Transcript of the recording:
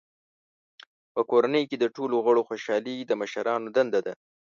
په کورنۍ کې د ټولو غړو خوشحالي د مشرانو دنده ده.